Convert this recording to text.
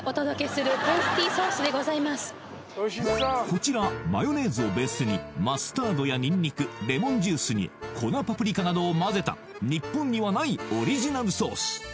こちらマヨネーズをベースにマスタードやニンニクレモンジュースに粉パプリカなどを混ぜた日本にはないオリジナルソース